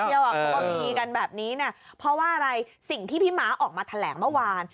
เขาก็มีกันแบบนี้นะเพราะว่าอะไรสิ่งที่พี่ม้าออกมาแถลงเมื่อวาน